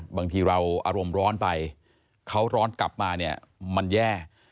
บางทีเราอารมณ์ร้อนไปเขาร้อนกลับมาเนี่ยมันแย่